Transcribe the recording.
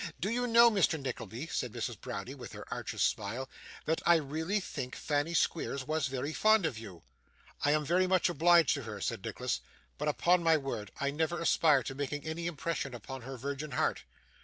Do you know, Mr. Nickleby,' said Mrs. Browdie, with her archest smile, 'that I really think Fanny Squeers was very fond of you?' 'I am very much obliged to her,' said Nicholas; 'but upon my word, I never aspired to making any impression upon her virgin heart.